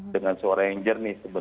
dengan suara yang jernih